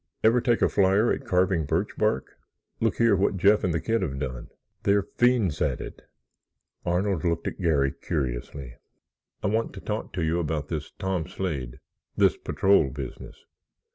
Ever take a flyer at carving birchbark? Look here, what Jeff and the kid have done. They're fiends at it." Arnold looked at Garry curiously. "I want to talk to you about this Tom Slade—this patrol business."